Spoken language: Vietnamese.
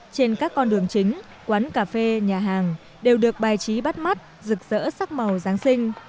trên các con đường chính quán cà phê nhà hàng đều được bài trí bắt mắt rực rỡ sắc màu giáng sinh